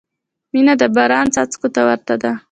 • مینه د باران څاڅکو ته ورته ده.